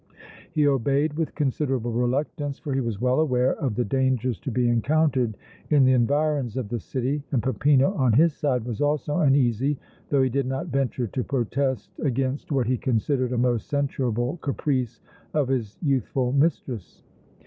He obeyed with considerable reluctance for he was well aware of the dangers to be encountered in the environs of the city, and Peppino, on his side, was also uneasy, though he did not venture to protest against what he considered a most censurable caprice of his youthful mistress.